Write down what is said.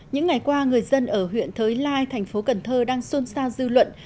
những ngày qua người dân ở huyện thới lai thành phố cần thơ đang xôn xa dư luận